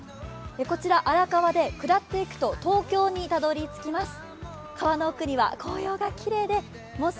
こちら荒川で、下っていくと東京にたどりつきます。